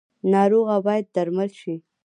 ناروغه باید درمل شي